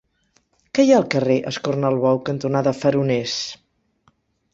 Què hi ha al carrer Escornalbou cantonada Faroners?